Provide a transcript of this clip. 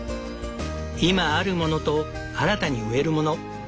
今あるものと新たに植えるもの。